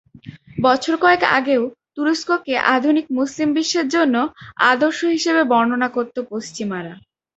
বছর কয়েক আগেও তুরস্ককে আধুনিক মুসলিম বিশ্বের জন্য আদর্শ হিসেবে বর্ণনা করত পশ্চিমারা।